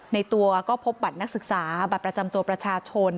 ในตัวก็พบบัตรนักศึกษาบัตรประจำตัวประชาชน